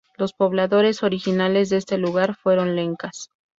Los pobladores originales de este lugar fueron lencas.